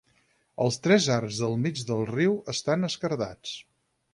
Els tres arcs del mig del riu estan esquerdats.